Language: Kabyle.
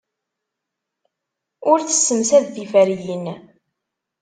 Ur tessemsad tiferyin.